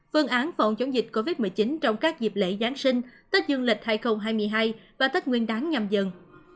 phương án phòng chống dịch covid một mươi chín trong các dịp lễ giáng sinh tết dương lịch hai nghìn hai mươi hai và tết nguyên đáng nhầm dần